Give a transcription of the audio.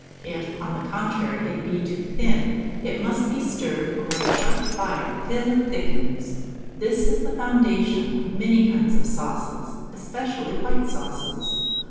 If, on the contrary, it be too thin, it must be stirred over a sharp fire till it thickens. This is the foundation of many kinds of sauces, especially white sauces.